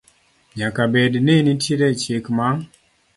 Nyaka bed ni nitie chik ma